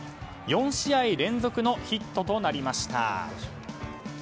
４試合連続のヒットとなりました。